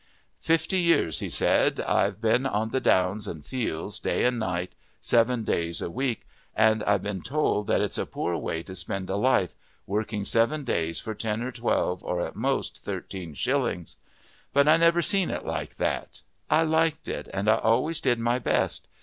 "Fifty years," he said, "I've been on the downs and fields, day and night, seven days a week, and I've been told that it's a poor way to spend a life, working seven days for ten or twelve, or at most thirteen shillings. But I never seen it like that; I liked it, and I always did my best.